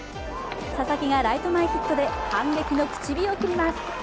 佐々木がライト前ヒットで反撃の口火を切ります。